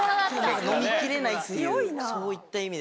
飲みきれないっていうそういった意味では。